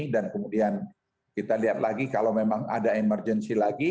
dan kemudian kita lihat lagi kalau memang ada emergency lagi